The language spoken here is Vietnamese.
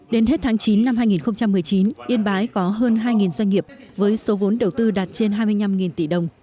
đến hết tháng chín năm hai nghìn một mươi chín yên bái có hơn hai doanh nghiệp với số vốn đầu tư đạt trên hai mươi năm tỷ đồng